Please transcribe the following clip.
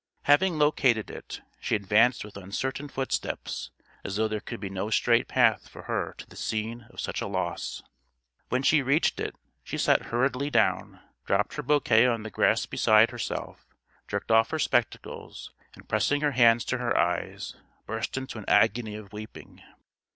Having located it, she advanced with uncertain footsteps as though there could be no straight path for her to the scene of such a loss. When she reached it, she sat hurriedly down, dropped her bouquet on the grass beside herself, jerked off her spectacles and pressing her hands to her eyes, burst into an agony of weeping.